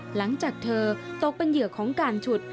หลังจากเธอตกเป็นเหยื่อของการฉุด